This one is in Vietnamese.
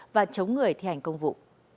và chống người thi hành công vụ